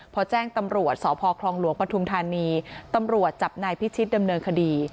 พอแจ้งตำรวจสคลปทุมธานีตำรวจจับนายพิชิตธรรมดำเนินคดี